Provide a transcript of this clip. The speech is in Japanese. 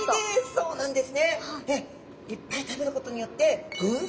そうなんです。